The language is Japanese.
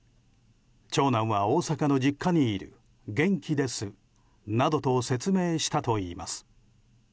長男は大阪の実家にいる元気ですなどと説明したといいます。